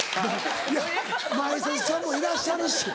いや前説さんもいらっしゃるし